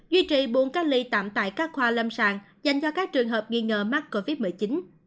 duy trì buồn các lý tạm tại các khoa lâm sàng dành cho các trường hợp nghi ngờ mắc covid một mươi chín